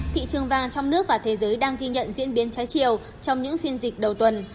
thị trường vàng trong nước và thế giới đang ghi nhận diễn biến trái chiều trong những phiên dịch đầu tuần